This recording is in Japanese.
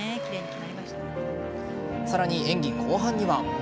さらに、演技後半には。